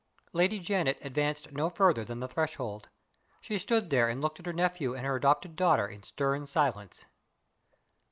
Lady Janet advanced no further than the threshold. She stood there and looked at her nephew and her adopted daughter in stern silence.